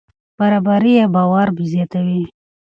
برابري باور زیاتوي.